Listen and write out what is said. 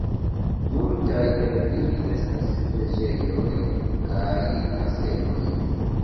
Multaj el ili estas preĝejoj kaj kasteloj.